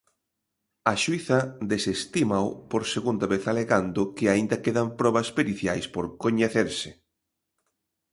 A xuíza desestímao por segunda vez alegando que aínda quedan probas periciais por coñecerse.